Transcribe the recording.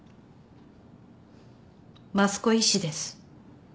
益子医師です。